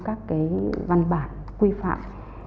các cái văn bản quy phạm